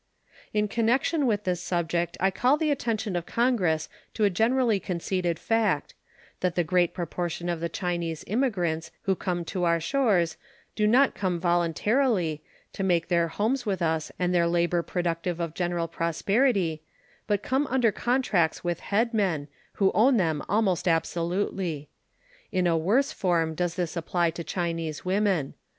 In connection with this subject I call the attention of Congress to a generally conceded fact that the great proportion of the Chinese immigrants who come to our shores do not come voluntarily, to make their homes with us and their labor productive of general prosperity, but come under contracts with headmen, who own them almost absolutely. In a worse form does this apply to Chinese women.